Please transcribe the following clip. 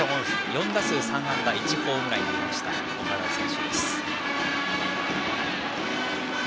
４打数３安打１ホームランとなりました岡田選手。